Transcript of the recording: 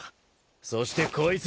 そしてこいつ！